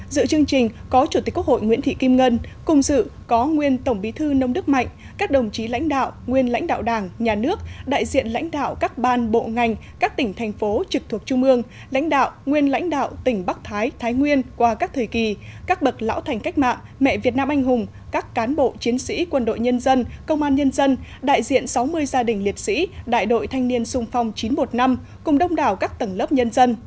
dự chương trình có chủ tịch quốc hội nguyễn thị kim ngân cùng dự có nguyên tổng bí thư nông đức mạnh các đồng chí lãnh đạo nguyên lãnh đạo đảng nhà nước đại diện lãnh đạo các ban bộ ngành các tỉnh thành phố trực thuộc trung mương lãnh đạo nguyên lãnh đạo tỉnh bắc thái thái nguyên qua các thời kỳ các bậc lão thành cách mạng mẹ việt nam anh hùng các cán bộ chiến sĩ quân đội nhân dân công an nhân dân đại diện sáu mươi gia đình liệt sĩ đại đội thanh niên sung phong chín trăm một mươi năm cùng đông đảo các tầng lớp nhân dân